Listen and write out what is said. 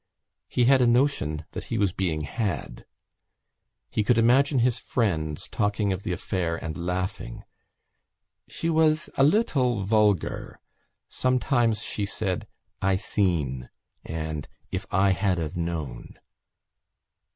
He had a notion that he was being had. He could imagine his friends talking of the affair and laughing. She was a little vulgar; sometimes she said "I seen" and "If I had've known."